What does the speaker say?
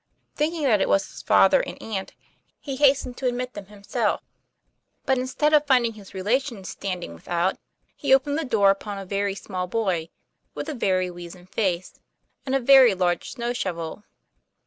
Thinking that it was his father and aunt, he has tened to admit them himself; but instead of finding his relations standing without, he opened the door upon a very small boy, with a very weazen face and a very large snow shovel.